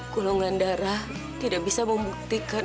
golongan darah tidak bisa membuktikan